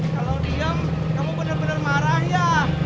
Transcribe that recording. kalo diem kamu bener bener marah ya